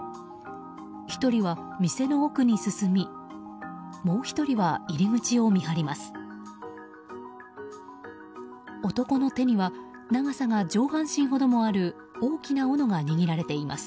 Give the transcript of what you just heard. １人は店の奥に進みもう１人は入り口を見張ります。